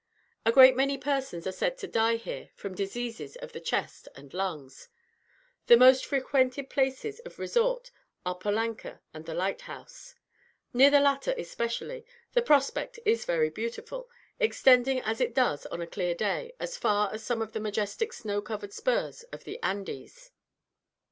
A great many persons are said to die here from diseases of the chest and lungs. The most frequented places of resort are Polanka and the lighthouse. Near the latter, especially, the prospect is very beautiful, extending, as it does, on a clear day, as far as some of the majestic snow covered spurs of the Andes.